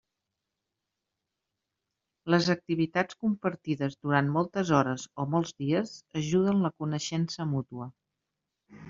Les activitats compartides durant moltes hores o molts dies ajuden a la coneixença mútua.